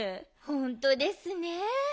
ほんとですねえ。